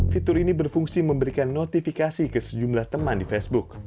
fitur ini berfungsi memberikan notifikasi ke sejumlah teman di facebook